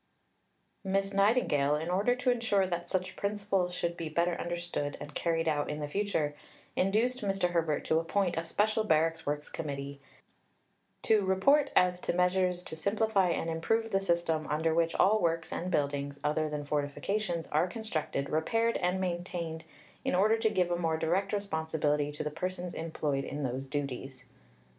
Miss Nightingale, in order to ensure that such principles should be better understood and carried out in the future, induced Mr. Herbert to appoint a special Barracks Works Committee, "to report as to measures to simplify and improve the system under which all works and buildings, other than fortifications, are constructed, repaired, and maintained, in order to give a more direct responsibility to the persons employed in those duties."